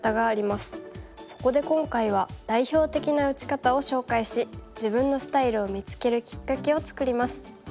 そこで今回は代表的な打ち方を紹介し自分のスタイルを見つけるきっかけを作ります。